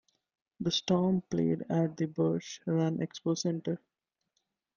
The Storm played at the Birch Run Expo Center.